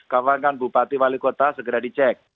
kawangan bupati wali kota segera dicek